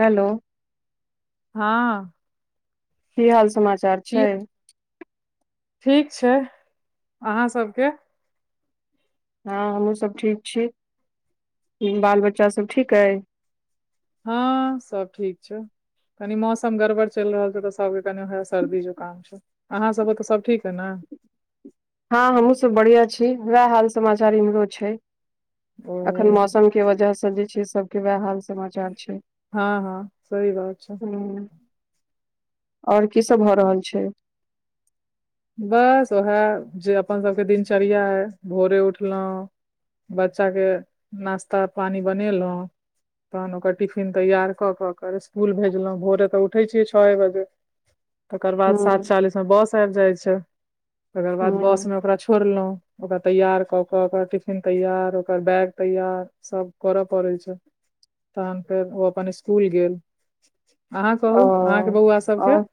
hello हँ की हाल समाचार की छै ठीक छै अहाँ सबके हँ हमहूँ सब ठीक छी बाल बच्चा सब ठीक अइ हँ सब ठीक छै कनी मौसम गड़बड़ चलि रहल छै तऽ सबके कनि वह सर्दी जुखाम छै अहाँ सबके तऽ सब ठीक है ने हँ हमहुँ सब बढ़िया छी वएह हाल समाचार इम्हरो छै ओ अखन मौसम के वजह से जे छै सबके वएह हाल समाचार छै हँ हँ सही बात छै ह ओर की सब भऽ रहल छै बस उएह जे अपन सभके दिनचर्या भोरे उठलहुँ बच्चा के नास्ता पानि बनेलहुँ तहन ओकर टिफिन तैयार कऽ कऽ स्कुल भेजलहुँ भोरे तऽ उठै छियै छओ बजे तकर ह बाद सात चालीस मे बस आबि जाइ छै तकर बाद बस ह में ओकरा छोड़लहुँ ओकरा तैयार कऽ क ओकर टिफिन तैयार ओकर बैग तैयार सब करय पड़ै छै तहन फेर ओ अपन स्कुल गेल अहाँ ओ कहू अहाँके बौआ सबके और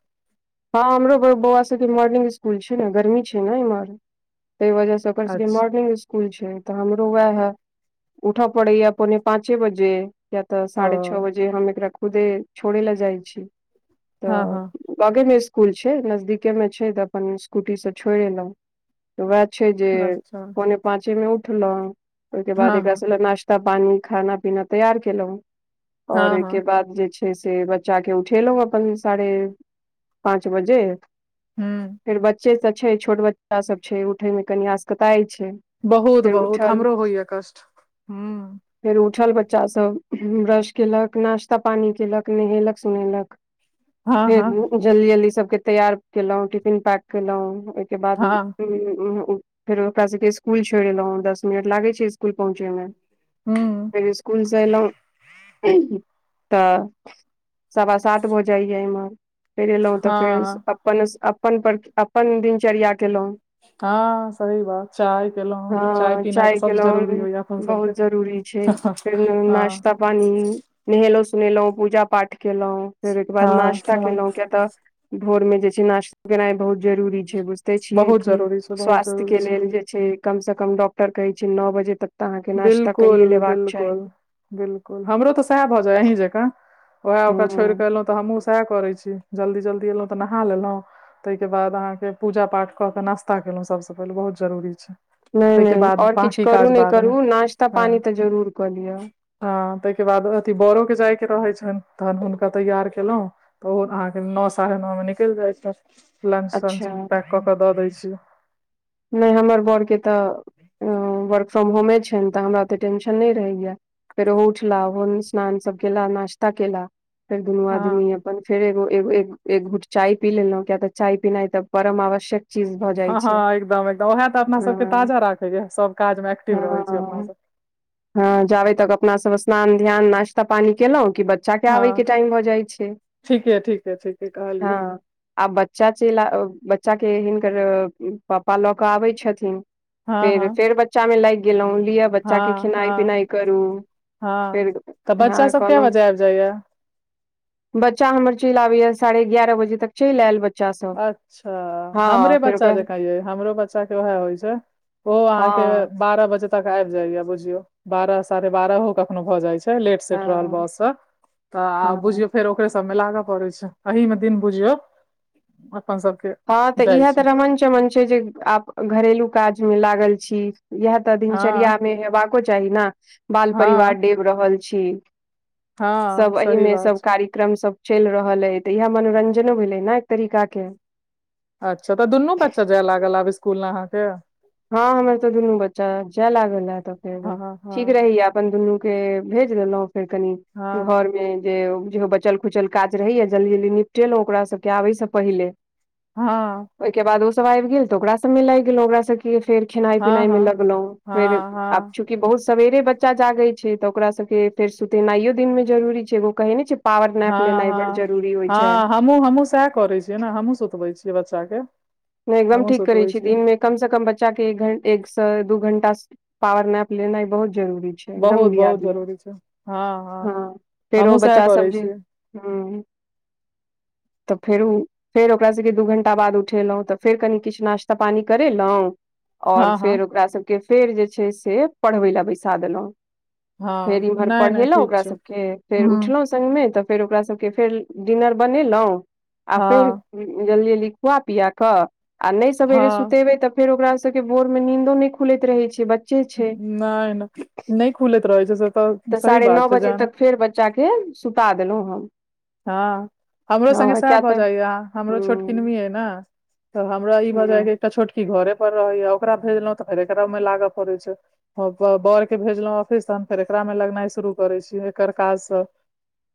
हँ हमरो घर बौआ सबके मोर्निंग स्कुल छै ने गर्मी छै ने इम्हर तहि वजह से ओकर सबके अच्छा मॉर्निंग स्कुल छै तऽ हमरो वएह है उठऽ पड़ैया पौने पाँचे बजे या तऽ ओ साढ़े छओ बजे हम एकरा खुदे छोड़ै ल जाइ छी हँ तऽ हँ बगे मे स्कुल छै नजदीके में छै तऽ अपन स्कूटी से छोड़ि एलहुं तऽ वएह छै जे अच्छा पौने पाचे मे उठलहुँ ओहिके बाद हँ एक हँ नाश्ता ता पानी खाना पीना तैयार केलहुं और हँ ओहिके हँ बाद जे छै से जाक उठे लो अपन साढ़े पाँच बजे हूँ फेर बच्चे सब छै छोट बच्चा सब छै उठे मे कनि आसकताइ छ बहुत बहुत हमरो होइए कष्ट फेर उठल बच्चा सब ब्रश केलक नाश्ता पानी केलक नहेलक सोनेलक हँ फेर हँ जल्दी जल्दी सबके तैयार केलहुँ टिफिन पैक केलहुं के बाद हँ फेर ओकरा सभके स्कुल छोड़ एलहुँ दस मिनट लागै छै स्कुल पहुँचे में हूँ फेर स्कूल से एलहु त सवा सात भऽ जाइया एहिमें फेर एलहुँ तऽ फेर हँ अपन अपन पर अपन दिनचर्या केलहुँं हँ सही बात चाय केलहु चाय हँ पीनाइ तऽ सबस जरूरी केलहुँ होइया बहुत सबके जरूरी छै फेर हँ नाश्ता पानी नहेलहुँ सुनेलहुँ पूजा पाठ केलहुँ फेर ओहिके बाद हँ नाश्ता हँ केलहुँ किया तऽ भोर में जे छै नाश्ता केनाइ बहुत जरूरी छै बुझते छियै बहुत कि जरूरी छै बहुत स्वास्थ्य के जरूरी छै लेल जे कम से कम डॉक्टर कहै छै नओ बजे तक तऽ अहाँके नाश्ता बिल्कुल कहिये लेबाक चाही बिल्कुल बिल्कुल हमरो तऽ सएह भए जाय अहीं जका उएह ओकरा हूँ छोड़ क तऽ हमहँ सएह करै छी जल्दी जल्दी अयलहुँ तऽ नहा लेलहुँ तहिके बाद अहाँके पूजा पाठ कऽ के नाश्ता केलहुॅं सभसँ पहिले बहुत जरूरी छै नहि ताहिके नहि बाद आओर किछु बाँकी करू काज नहि बादमे करू नाश्ता पानी हँ तऽ जरूर कऽ लिअ हँ तहिके बाद अथि बड़ोके जायके रहैत छनि तहन हुनका तैयार केलहु तऽ ओहो अहाँके नओ साढ़े नओमे निकलि जाइत छै लंच तंच अच्छा पैक कऽ कऽ दऽ दैत छी नहि हमर बड़ के तऽ वर्क फ्रॉम होमे छनि तऽ हमरा ओतेक टेंशन नहि रहैया फेर ओहो उठला ओन स्नान सब केल नाश्ता केलो फेर दुनू हँ आदमी अपन फेर एगो एगो एक घूट चाय पी लेलहुं किया तऽ चाय पीनाइ तऽ परम आवश्यक चीज भऽ जाइ हँ छै हँ एकदम एकदम उएह तऽ अपना सबके हँ ताजा राखैए सब काजमे एक्टिव रहै छी अपना हँ सब हँ जाबे तक अपना सब स्नान ध्यान नाश्ता पानी केलहुँं बच्चा के हँ टाइम भऽ जाइ छै ठीके ठीके ठीके कहलियै हँ आब बच्चा च बच्चा हिनकर पापा लऽ कऽ आबै छथिन हँ फेर हँ फेर बच्चा में लागि गेलहुँ लिअ बच्चा के हँ खेनाइ हँ पिनाइ करू हँ फेर तऽ बच्चा ह सब कए कहलहु बजे आबि जाइया बच्चा हमर चलि आबैएा साढ़े एारह बजे तक चलि आयल बच्चा सब अच्छा हँ हमरे फेर बच्चा ओकरा जे कहैै हमरो बच्चा के उएह होइ छै ओ अहाँ के हँ बारह बजे तक आब जाया बुझियो बारह साढ़े बारहहो कखनो भए जाय छै लेट सेट रहल हँ बउआ सब हँ फेर बुझियो मे लागऽ पड़ै छै ओहिमे दिन बुझियो अपन सबके हँ तऽ जाइ इएह तऽ छै रमन चमन छै जे आप घरेलू काज मे लागल छी इएह तऽ हँ दिनचर्या मे हेबाको चाही ने बाल हँ परिवार डेब रहल छी हँ सब सही एहीमे बात सब छै कार्य क्रम सब चलि रहल है तऽ इएह मनोरंजनो भेलै ने एक तरीका के अच्छा तऽ दुनू बच्चा जाय लागल आब स्कुल में अहाँके हँ हमर तऽ दुनू बच्चा जाय लागल ह तऽ फेर हँ हँ ठीक हँ रहि अपन दुनू के भेज देलहुं फेर कनि हँ घर में जे चल खुचल काज रहैएा जल्दी जल्दी निपटेलहुँ ओकरा सबके आबैसँ पहिले हँ ओहिके बाद ओ सब आब गेल तऽ ओकरा सब मे लाग गेलो ओकरा सब क फेर खेनाय हँ पिनाय में हँ लगलों फेर आब हँ कि बहुत सवेरे बच्चा जागै छै तऽ ओकरा सबके फेर सुतेनाइयो दिनमे जरूरी छै एगो कहै नहि छै पावर नेप लेनाइ बड जरूरी होइ छै हमूँ हमहुं सएह करै छियै ने हमहूँ सुतबै छियै बच्चा के एकदम हमहूँ ठीक करै सुतबै छी छियै दिनमे कम से कम बच्चा के एक एक से दू घंटा पॉवर मैप लेनाइ बहुत जरूरी छै एकदम बहुत लिया बहुत दियौ जरूरी छै हँ हँ फेरो हमहूँ सएह बच्चा सब करै जे छियै ह तऽ फेर ओ फेर ओकरासभके दू घण्टा बाद उठेलौ तऽ फेर कनि किछु नाश्ता पानी करेलौ आओर हँ हँ फेर ओकरा सभके फेर जे छै से पढ़बै लए बैसा देलौ फेर हँ इमहर नहि नहि पढ़ेेलौ ठीक ओकरा छै सबके फेर हूँ उठलौ सङ्गमे तऽ फेर ओकरा सबके फेर डिनर बनेलौ आ फेर हँ जल्दी जल्दी खुआ पिया कऽ आ नहि सवेरे हँ सुतेबै तऽ फेर ओकरा सब के बोर मे नीदो न नहि खुलैत रहे छै ब्चा नहि नहि नहि खुलैत रहै छै से तऽ सही साढ़े नओ बात छै बजे जान तक फेर बच्चा के सुता देलहुं हम हँ हमरो सङ्गे हँ सएह किया भऽ तऽ जाइया हमरो छोट हूँ किनमी अइ ने तऽ हमरा ई भजैय ह हूँ एकटा छोटकी घरे पर रहैया ओकरा भेजलहुँ तऽ फेरे एकरा ओहिमे लागय पड़ै छै ब बर के भेजलहुँ ऑफिस तऽ हम फेर एकरा मे लगनाइ शुरू करै छीय एकर काजसँ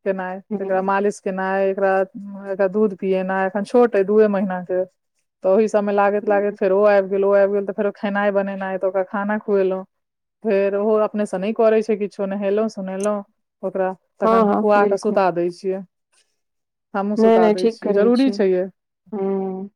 केनाय हूँ एकरा हूँ, मालिश केनाइ एकरा एकरा दूध पियना एखन छोट अ दूए महीना के तऽ ओहि सभमे लागैत लागैत फेर ओ आबि गेल ओ आबि गेल तऽ फेरो खेनाइ बनेनाइ तऽ ओकरा खाना खुएलौं फेर ओहो अपनेसँ नहि करै छै किछो नहेलहुं सुनेलहुँं ओकरा हँ तखन हँ खुआ कऽ बिलकुल सुता दै छियै हमहुँ सुता दै छियै जरूरी छै यै हँ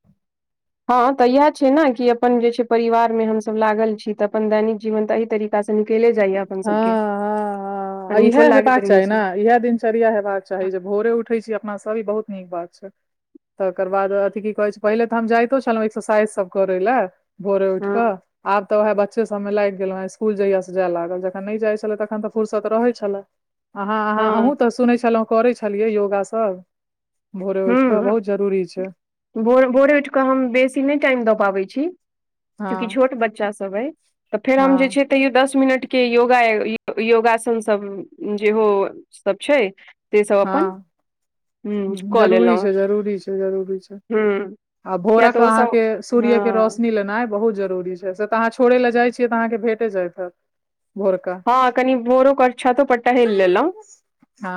हँ तऽ इएह छै ने कि अपन जे छै परिवार में हमस लागल छी तऽ अपन दैनिक जीवन तऽ एहि तरी से निकेले जाइए हँ हँ हँ इह लागैत होयबाक रहै चाही ने छै इह दिन चरया हेबाक चाही जे भोरे उठै छी अपना सब ई बहुत नीक बात छै तकर बाद अथि की कहै छै पहिले तऽ हम जाइतो छलहुँ एक्सरसाइजसभ करै लए भोरे उठ के हँ आब तऽ वहे बच्चे सब मे लागि गेलों इस्कुल जइया से जाय लागल जखन नइ जाई छले तखन तऽ फूर्सत रहे छले आहा आहा हँ सुनै छलौ करे छलियै योगा सब भोरे उठ के हूँ बहुत जरूरी छै भोर भोरे उठि कऽ हम बेसी नहि टाइम दऽ पाबैत छी हँ चूँकि छोट बच्चा सब अ तऽ फेर हम जे हँ छै तैयो दस मिनट के योगा योगासन सब जेहो सब छै ते सब अपन हँ ह जरूरी छै जरूरी छै जरूरी छै हूँ आ किया तऽ भोरक ओ अहाँके सब सूर्य के हँ रोशनी लेइ बहुत जरूरी छै से त अहाँ छोड़ै ल जाइ छियै तऽ अहाँके भेटे जायत हेत हँ कनि भोरो कर छतो पर टहैल लेलहुँं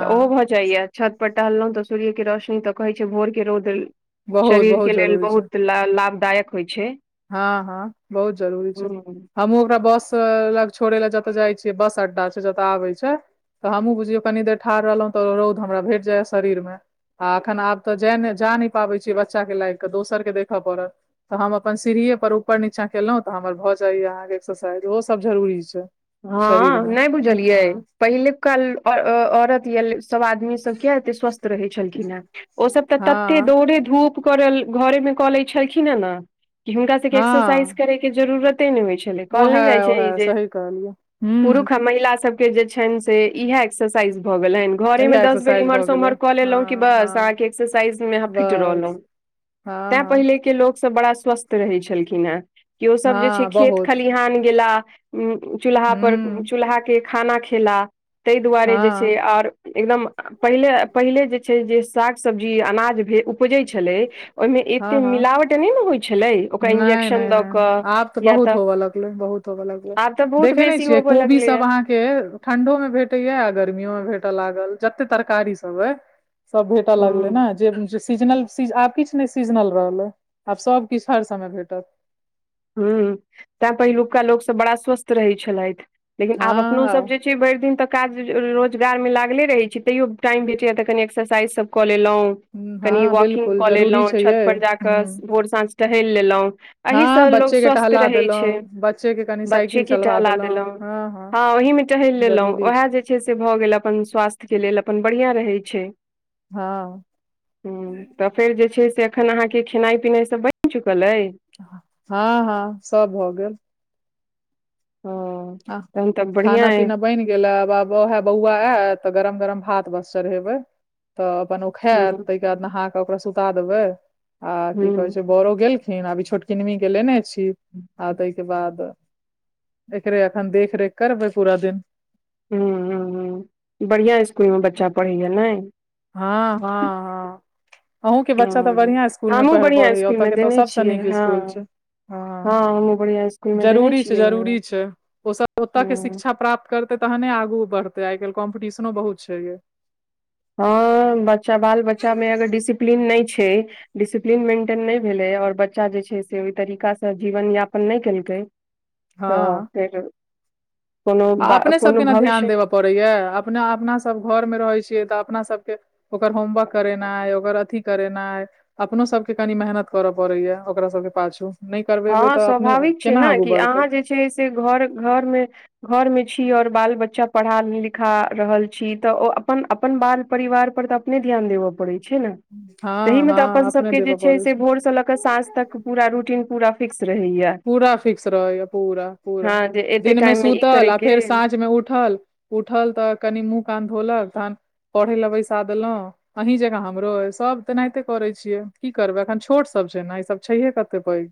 तऽ ओहो भऽ जाइया छत प टहलहुँं तऽ सूर्य के रोशनी तऽ कहै छै भोर के रौद बहुत बहुत शरीरके लेल जरूरी छै बहुत ल लाभदायक होइ छै हँ हँ बहुत जरूरी छै हूँ हमूँ ओकरा बस लग छोड़ै ले जतऽ जाइ छियै बस अड्डा छै जतऽ आबे छै तऽ हमहूँ बुझियौ कनी देर ठाढ़ रहलहुँ तऽ रौद हमरा भेट जायए शरीरमे आ अखन आब तऽ जा नहि पाबै छीयै बच्चा के लायक केऽ दोसर के देखय पड़त तऽ हम अपन सीढ़ीए पर ऊपर नीचा केलहुंऽ हमर भए जाइया अहाँके एक्सरसाइज ओहो सब जरुररी छै शरीर हँ मे नहि बुझलियै हँ पहिलकाल औरत या सभ आदमी सब किया एते स्वस्थ रहे छलखिन हेँ ओसभ तऽ ततै हँ दौड़े धूप कर घरेमे कऽ लैत छलखिन हेँ ने कि हुनका सभके एक्सरसाइज हँ करैके जरूरते नहि होइत छलै कहल नहि जाइत छै ई जे करलिए पुरुष आ महिला सबके जे छनि से इएहे एक्सरसाइज भऽ गेल घरे मे तहिया दस बेर एक्सरसाइज इम्हर भऽ से गेलै उम्हर कऽ हँ लेलहुं बस हँ अहाँके एक्सरसाइज मे अहाँ फिट बस रहलहु हँ तैं हँ पहिले के लोक सब बड़ा स्वस्थ रहै छलखिन हे कि ओसभ जे छै हँ खेत बहुत खलिहान गेला चूल्हा पर हूँ चूल्हाे खाना खेला ताहि दुआरे जे छै हँ आओर एकदम पहिले पहिले जे छै जे साग सब्जी अनाज भेल उपजै छलै ओहि में एतेक हँ हँ मिलावट नहि ने होइत छलै ओकरा नहि इंजेक्शन नहि दऽ कऽ या तऽ आब तऽ बहुत देखय नहि बेसी छीये होबऽ कोबी सभ लगलैए आँहा के के ठंडो में भेटेया आ गर्मियो में भेटय लागल जते तरकारी सब अइ सब भेटऽ लगलै हूँ ने जे सीजनल आब किछ कि नहि सीजनल रहल ह आब सब किछ हर समय भेटत हं तैं पहिलुका लोक सब बड़ा स्वस्थ रहै छलथि लेकिन आब अपनो हँ सब जे भरि दिन तऽ काज रोजगार में लागले रहे छी तैयो टाइम भेटया तऽ कनी एक्सरसाइज सब कऽ लेलों ह कनि हँ वकिंग बिलकुल कऽ जरूरी लेलहुँ छै छत यै पर ह जाकऽ भोर साँझ टहल लेलहुँ एहि सँ हँ लोकोग बच्चे के स्वस्थ टहला रहै छै देलहुँ बच्चे के कनि साइकिल बच्चेके चलबा टहला देलहुँ हँ ओहि में टहल लेलहुँ ओएह जे छै से भऽ गेल अपन स्वास्थ्यके लेल अपन बढ़िआँ रहैत छै हँ हँ तऽ फेर जे छै से एखन अहाँके खेनाइ पिनाइ सब बइन चुकल अइ हँ हँ सब भऽ गेल हं हं खाना पीना बनि गेला बाब हे बौआ आय तऽ गरम गरम भात बस चढ़ेबे तऽ अपन खैत हूँ तहिके बाद नहा ओकरा सुता देबै आ की हूँ कहे छै बड़ो गेलखिन आभ ई छोटकिनमी के लेने छी आ तहिके बाद अखन देखरेख करबै पूरा दिन ह्मँम ह्म्म ह्मँ्म बढ़िआँ स्कूल मे बच्चा पढ़ैए नहि हँ हँ हँ अहूँके बच्चा तऽ हँ बढ़िआँ स्कुल में हमहुँ पढ़ि बढ़ियाँ पढ़ैए स्कूल ओतय मे केतौ देने सभसँ छियै नीक हँ स्कूल छै हँ हमहुँ बढ़ियाँ स्कूल मे देने जरूरी छै छियै जरूरी छै ओसब ओतय के हँ शिक्षा प्राप्त करते तहने आगू बढ़तै आइ काल्हि कॉम्पिटिशनो बहुत छै ये हँ बच्चा बाल बच्चा में अगर डिसिप्लीन नहि छै डिसिप्लीन मेंटेन नहि भेले और बच्चा जे छै से ओहि तरीका से जीवन यापन न केलकै तऽ हँ फेर कोनो ब कोनो भविष्य पड़ैय अपना अपना सब घर में रहै छियै तऽ अपना सबके ओकर होमवर्क करेनाइ ह ओकर अथी करेनाइ अपनो सबके कनि मेहनत करऽ पड़ैया ओकरा सबके पाछू नइ करबै हँ तऽ अपने स्वाभाविक छै केना ने आगू कि बढ़तौ अहाँ जे छै से घर घर में घरमे छी ओर बाल बच्चा पढ़ा लिखा रहल छी तऽ ओ अपन अपन बाल परिवारपर तऽ ने ध्यान देबे परे छै ने हँ तमे तऽ हँ अपन अपने सबके देबऽ जे पड़ै छै भोर से ल क साझ त पूरा रूटीन पूरा फिक्स रहे या पूरा फिक्स रहैया पूरा पूरा जे एते दिन में टाइम मे ई सुतल करे आ के फेर साँझ मे उठल उठल तऽ कनि मुँह कान धोलक तहन पढ़े लए बैसा देलहुँ अहीं जकाँ हमरो ह सभ तेनाहिते करै छियै की करबै एखन छोटसब छै ने ई सब छैहे कते पैघ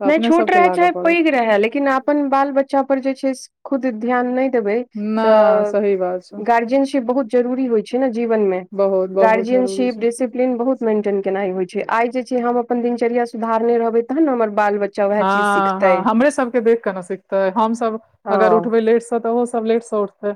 तऽ नय अपने छोट सभके रहे लागऽ चाहे पड़त पैघ रहे लेकिन अपन बाल बच्चा पर जे छै खुद ध्यान नहि देबै नहि तऽ सही बात छै गार्जियनशिप बहुत जरूरी होइ छै ने जीवन में बहुत बहुत जरूरी गार्जियनशिप छै जैसे बहुत मेंटेन केनाइ होइ छै आइ जे छै हम अपन दिनचर्या सुधारने रहबै तहन ने हमर बाल बच्चा उएह चीज हँ सिखतै हँ हमरे सबके देख के ने सिखते हम सब हँ अगर उठबै लेट से तै ओहो सब लेट से उठतै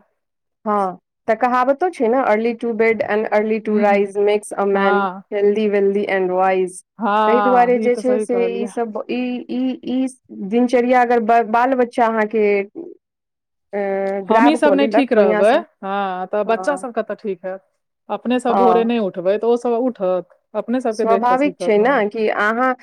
हँ तऽ कहावतो छै ने early to bed and early to हूँ राइज मेक्स अ मैन हँ हेल्दी वेल्दी एंड वाइज ताहि दुआरे हँ ई जे तऽ छै सही से ई कहलियै सब ई ई ई दिनचर्या अगर बाल बच्चा अहाँके ऐं हमहीं गराब सब क नहि लेलक ठीक बढ़िआँ रहबै से ह तऽ बच्चा हँ सब के तऽ ठीक हयत अपने सब भोरे हँ नहि उठ उठबै तऽ ओ सब उठत अपने सबके देख कऽ स्वाभाविक छै सीखत ने कि अहाँ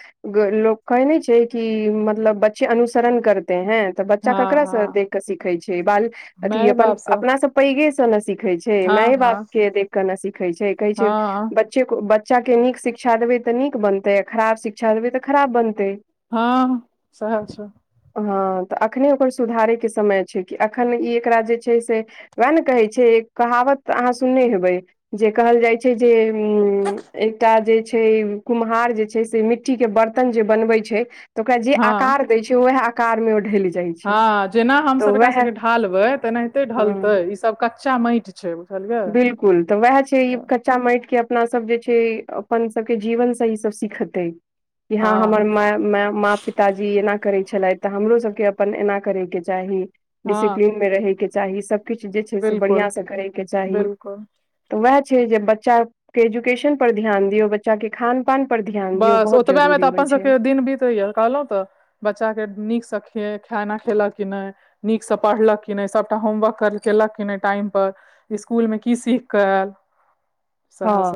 लोक कहै नहि छै कि मतलब बच्चे अनुसरण करते हैं तऽ बच्चा हँ केकरा से हँ देख के सीखे छै बाल अथी माय अपन बापसँ अपना सब पैघ से ने सीखे छै हँ माय बाप हँ के देख के न सिखे छै कहै छै हँ बच्चे को बच्चा के के नीक शिक्षा देबै तऽ नीक बनतै आ खराब शिक्षा देबै तऽ खराब बनतै हँ सहा सब हँ तऽ अखने ओकर सुधारैके समय छै कि एखन ई एकरा जे छै से उएह ने कहै छै कहावत अहाँ सुनने हेबै जे कहल जाइ छै जे उ एकटा जे छै कुम्हार जे छै से मिट्टी के बर्तन जे बनवे छै त ओकरा जे हँ आकार द छै उएह आकार में ढेल हँ जेना हम सब एकरा सबके ढालबबै तेनाहिते ढलते ई सब कच्चा माटि छै बुझलियै बिलकुल तऽ वएह छै ई कच्चा माटिक के अपन सब जे छै अपन सबके जीवन से ई सब सिखतै कि यहाँ हमर हँ मा माँ पिताजी एना करै छलै तऽ हमरो सबके अपन एना करेके चाही हँ डिसिप्लीनमे रहयके चाही सभकिछु जे छै से बिल्कुल बढ़िआँसँ करयके चाही बिल्कुल तऽ उएह छै जे बच्चाे एजुकेशन पर ध्यान दियौ बच्चा के खान पान पर ध्यान दियौ बस बहुत ओतबे मे जरूरी तऽ होइ अपन छै सबके दिन बीतैय कहलहु तऽ बच्चाके नीकसँ खिय खाना खेलक कि नहि नीकसँ पढ़लकखिन नहि सभटा होमवर्क केलक कि नहि टाइमपर स्कूल में की सीख क आल सेहां हँ सभ